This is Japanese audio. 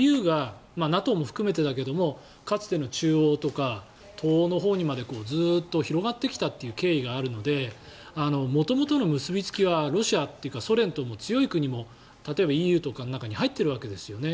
ＥＵがＮＡＴＯも含めてだけどかつての中欧とか東欧のほうにまでずっと広がってきたという経緯があるので元々の結びつきはロシアというかソ連とも強い国も例えばＥＵとかにも入っているわけですね。